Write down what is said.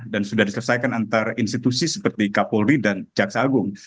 dan sudah diselesaikan antara institusi seperti kapolri dan jaksa agung